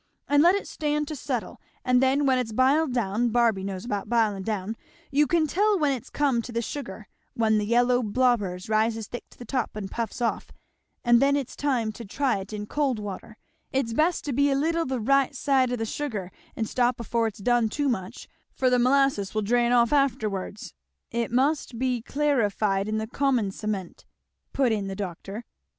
and let it stand to settle; and then when it's biled down Barby knows about bilin' down you can tell when it's comin' to the sugar when the yellow blobbers rises thick to the top and puffs off, and then it's time to try it in cold water, it's best to be a leetle the right side o' the sugar and stop afore it's done too much, for the molasses will dreen off afterwards " "It must be clarified in the commencement," put in the doctor.